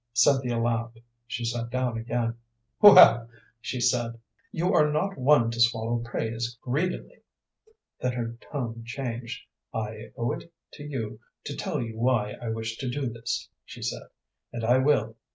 Cynthia laughed. She sat down again. "Well," she said, "you are not one to swallow praise greedily." Then her tone changed. "I owe it to you to tell you why I wish to do this," she said, "and I will.